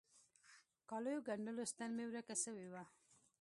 کاليو ګنډلو ستن مي ورکه سوي وه.